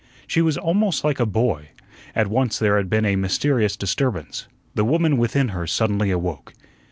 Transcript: She was almost like a boy. At once there had been a mysterious disturbance. The woman within her suddenly awoke.